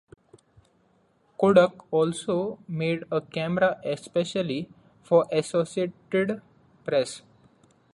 Kodak also made a camera especially for Associated Press.